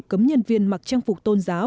cấm nhân viên mặc trang phục tôn giáo